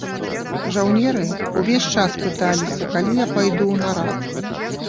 Жаўнеры ўвесь час пыталіся, калі я пайду ў нарад.